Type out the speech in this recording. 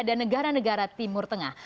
dan negara timur tengah